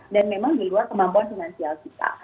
dan memang di luar kemampuan finansial kita